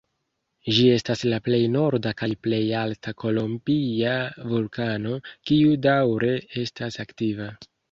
Ĝi estas la plej norda kaj plej alta kolombia vulkano, kiu daŭre estas aktiva.